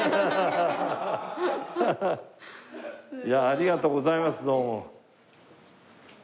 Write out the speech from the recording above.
いやありがとうございますどうも。